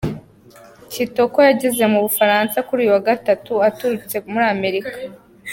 Kitoko yageze mu Bufaransa kuri uyu wa Gatatu aturutse muri Amerika.